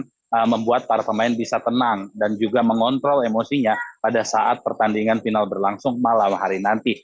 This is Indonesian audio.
yang membuat para pemain bisa tenang dan juga mengontrol emosinya pada saat pertandingan final berlangsung malam hari nanti